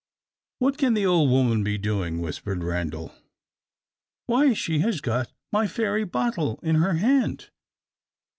"What can the old woman be doing?" whispered Randal. "Why, she has got my fairy bottle in her hand!"